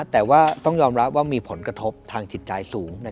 แต่ว่าต้องยอมรับว่ามีผลกระทบทางจิตใจสูง